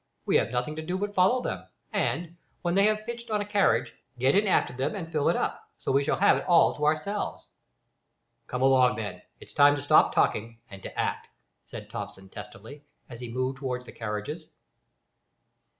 We have nothing to do but follow them, and, when they have pitched on a carriage, get in after them, and fill it up, so we shall have it all to ourselves." "Come along, then; it's time to stop talking and to act," said Thomson, testily, as he moved towards the carriages.